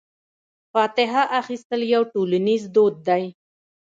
فاتحه اخیستل یو ټولنیز دود دی.